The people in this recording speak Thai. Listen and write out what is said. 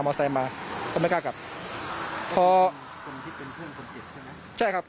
ไซค์มาก็ไม่กล้ากลับเพราะคนที่เป็นเพื่อนคนเจ็บใช่ไหมใช่ครับ